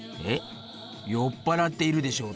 酔っ払っているでしょって？